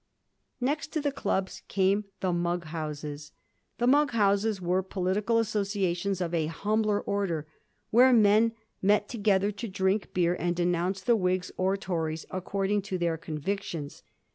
Next to the clubs came the * mug houses.' The mug houses were political associations of a humbler order, where men met together to drink beer and denounce the Whigs or Tories, according to their convictions.